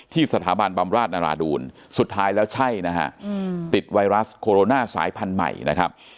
สถาบันบำราชนาราดูลสุดท้ายแล้วใช่นะฮะติดไวรัสโคโรนาสายพันธุ์ใหม่นะครับ